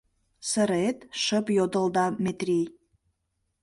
— Сырет? — шып йодылда Метрий.